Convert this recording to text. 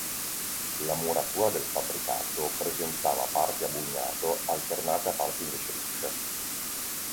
La muratura del fabbricato presentava parti a bugnato alternate a parti invece lisce.